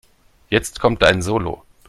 Jetzt kommt dein Solo.